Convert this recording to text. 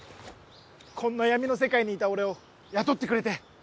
こんな闇の世界にいた俺を雇ってくれて。